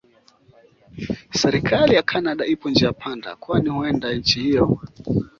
serikali ya canada ipo njia panda kwani huenda nchi hiyo